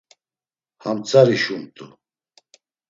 Ham tzari şumt̆u.